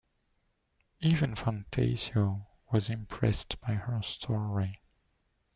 Even Fantasio was impressed by her story.